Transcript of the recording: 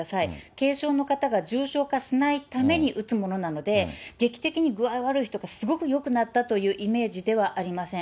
軽症の方が重症化しないために打つものなので、劇的に具合悪い人がすごくよくなったというイメージではありません。